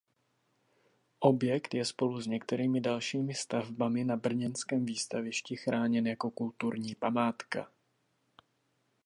Objekt je spolu s některými dalšími stavbami na brněnském výstavišti chráněn jako kulturní památka.